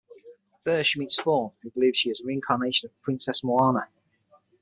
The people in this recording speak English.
There, she meets the faun, who believes she is the reincarnation of Princess Moanna.